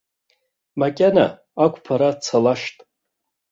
Макьана ақәԥара цалашт.